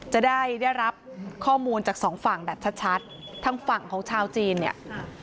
จะได้ได้รับข้อมูลจากสองฝั่งแบบชัดชัดทางฝั่งของชาวจีนเนี่ย